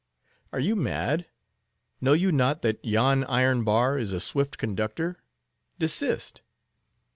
"Are you mad? Know you not that yon iron bar is a swift conductor? Desist."